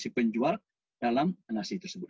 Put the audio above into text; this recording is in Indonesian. si penjual dalam nasi tersebut